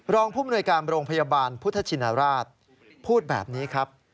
ภูมิหน่วยการโรงพยาบาลพุทธชินราชพูดแบบนี้ครับ